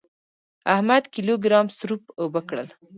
احمد کيلو ګرام سروپ اوبه کړل.